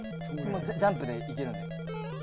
ジャンプで行けるんで。